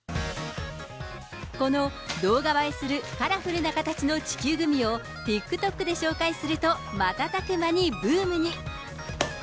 この動画映えするカラフルな形の地球グミを、ＴｉｋＴｏｋで紹介すると、瞬く間にブームに。